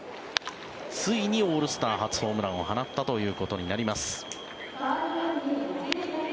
ついにオールスター初ホームランを放ったということになります。